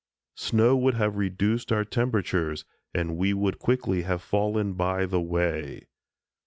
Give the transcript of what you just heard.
Snow would have reduced our temperatures and we would quickly have fallen by the way.